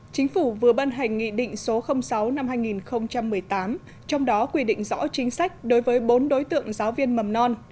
chính phủ vừa ban hành nghị định số sáu năm hai nghìn một mươi tám trong đó quy định rõ chính sách đối với bốn đối tượng giáo viên mầm non